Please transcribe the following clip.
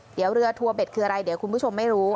เดี๋ยวเรือทัวเบ็ดคืออะไรเดี๋ยวคุณผู้ชมไม่รู้